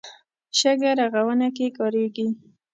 شګه رغونه کې کارېږي.